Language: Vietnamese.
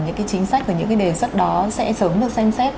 những chính sách và những đề xuất đó sẽ sớm được xem xét